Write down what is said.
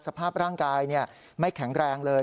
สภาพร่างกายไม่แข็งแรงเลย